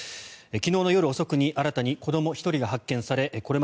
昨日の夜遅くに新たに子ども１人が発見され